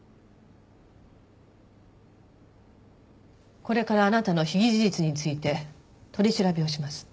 これからあなたの被疑事実について取り調べをします。